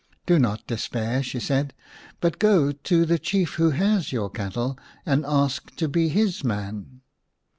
" Do not despair," she said, " but go to the Chief who has your cattle and ask to be his man."